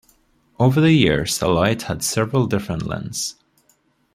Over the years the light had several different lens.